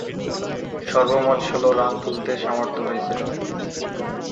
সর্বমোট ষোলো রান তুলতে সমর্থ হয়েছিলেন।